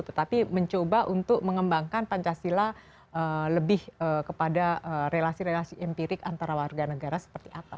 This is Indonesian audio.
tetapi mencoba untuk mengembangkan pancasila lebih kepada relasi relasi empirik antara warga negara seperti apa